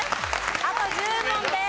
あと１０問です。